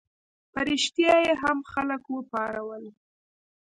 په ریشتیا یې هم خلک وپارول.